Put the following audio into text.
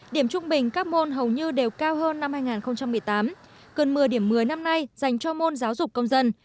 điểm trung bình các môn hầu như đều cao hơn năm hai nghìn một mươi tám gần một mươi điểm một mươi năm nay dành cho môn giáo dục công dân